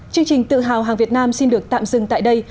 chương trình tự hào hàng việt nam xin được tạm dừng tại đây